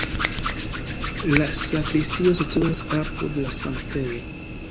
La sakristio situas apud la sanktejo.